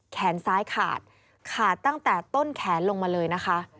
แขนซ้ายขาดขาดตั้งแต่ต้นแขนลงมาเลยนะคะ